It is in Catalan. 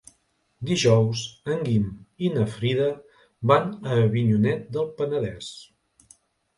Dijous en Guim i na Frida van a Avinyonet del Penedès.